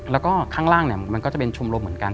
แล้วก็ข้างล่างมันก็จะเป็นชมรมเหมือนกัน